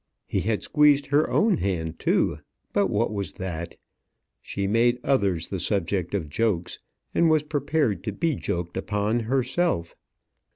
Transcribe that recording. He had squeezed her own hand too; but what was that? She made others the subject of jokes, and was prepared to be joked upon herself.